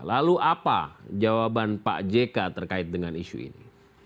lalu apa jawaban pak jk terkait dengan isu ini